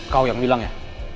kau yang bilang ya